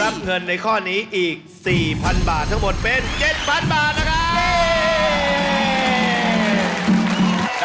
เงินในข้อนี้อีก๔๐๐๐บาททั้งหมดเป็น๗๐๐บาทนะครับ